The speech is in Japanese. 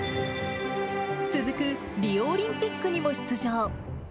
続くリオオリンピックにも出場。